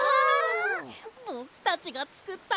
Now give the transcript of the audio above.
ぼくたちがつくったかんむり！